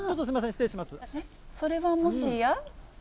それはもしや？